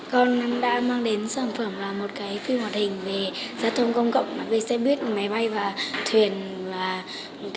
con đã mang đến sản phẩm là một cái phim hoạt hình về gia thông công cộng